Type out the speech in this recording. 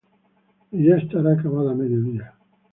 Y ya estará acabada a mediodía